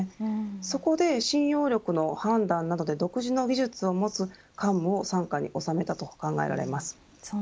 そこで信用力の判断などで独自の技術を持つカンムを傘下に収めたと考えられます。